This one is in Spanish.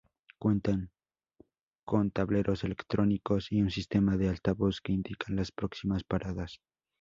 Cuentan con tableros electrónicos y un sistema de altavoz que indican las próximas paradas.